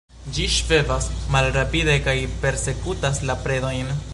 Ĝi ŝvebas malrapide kaj persekutas la predojn.